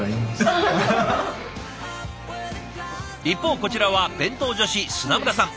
一方こちらは弁当女子砂村さん。